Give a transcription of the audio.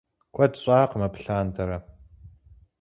Куэд щӀакъым абы лъандэрэ.